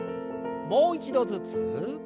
もう一度ずつ。